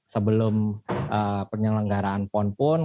sebelum penyelenggaraan pon pun